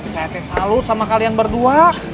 saya teh salut sama kalian berdua